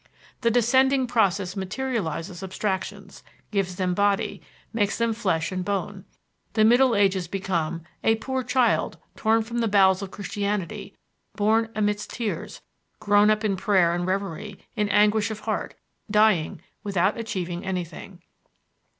The descending process materializes abstractions, gives them body, makes them flesh and bone; the Middle Ages become "a poor child, torn from the bowels of Christianity, born amidst tears, grown up in prayer and revery, in anguish of heart, dying without achieving anything."